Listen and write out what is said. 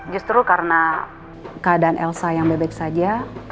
justru karena keadaan elsa yang baik baik saja